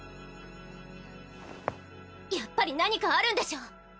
やっぱり何かあるんでしょ